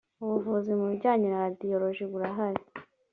ubuvuzi mu bijyanye na radiyoloji burahari